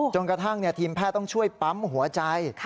จนกระทั่งทีมแพทย์ต้องช่วยปั๊มหัวใจ